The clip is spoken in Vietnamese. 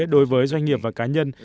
đối với doanh nghiệp và cá nhân